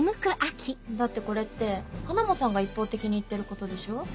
だってこれってハナモさんが一方的に言ってることでしょ？